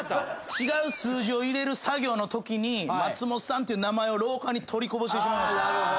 違う数字を入れる作業のときに松本さんっていう名前を廊下に取りこぼしてしまいました。